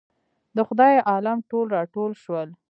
د خدای عالم ټول راټول شول.